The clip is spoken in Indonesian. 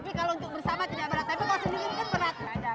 tapi kalau sendiri itu kan berat